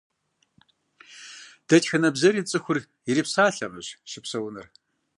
Дэтхэнэ бзэри цӏыхур ирипсалъэмэщ щыпсэунур.